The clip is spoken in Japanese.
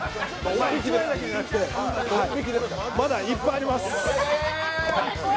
まだ、いっぱいあります。